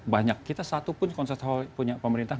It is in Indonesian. banyak kita satu pun konser hall punya pemerintah